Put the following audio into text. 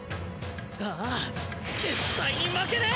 ああ絶対に負けねえ！